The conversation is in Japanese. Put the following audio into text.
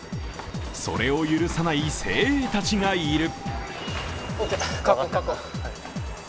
それを許さない精鋭たちがいる。